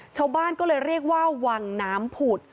ชาวบ้านก็เลยเรียกว่าวังน้ำผุด